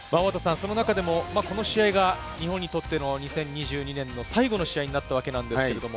その中でもこの試合が日本にとっての２０２２年の最後の試合になりました。